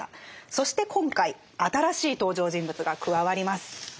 そして今回新しい登場人物が加わります。